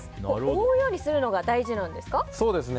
覆うようにするのが大事なんですか？